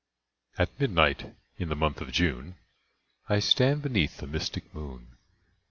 At midnight in the month of June, I stand beneath the mystic moon.